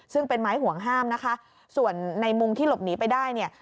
ซึ่งเป็นไม้ห่วงห้ามนะคะส่วนในมุมที่หลบหนีไปได้เนี่ย